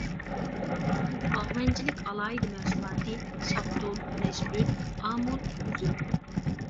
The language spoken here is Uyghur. باغۋەنچىلىك ئالاھىدە مەھسۇلاتى شاپتۇل، نەشپۈت، ئامۇت، ئۈزۈم.